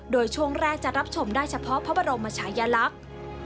โดยช่วงแรกจะรับชมได้เฉพาะพระบรมชายลักษณ์